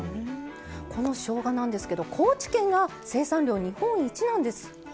このしょうがなんですけど高知県が生産量日本一なんですって。